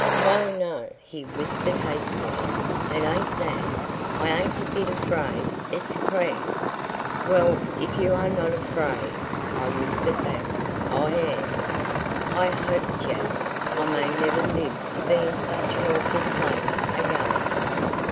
"No, no," he whispered hastily, "it ain't that. I ain't a bit afraid. It's cramp." "Well, if you are not afraid," I whispered back, "I am. I hope, Jack, I may never live to be in such an awful place again."